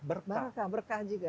barokah berkah juga